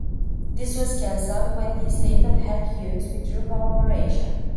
This was cancelled when the Estate of Ted Hughes withdrew co-operation.